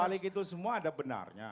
balik itu semua ada benarnya